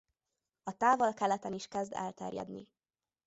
A Távol-Keleten is kezd elterjedni.